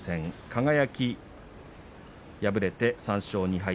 輝、敗れて３勝２敗